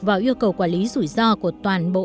vào yêu cầu quản lý rủi ro của toàn bộ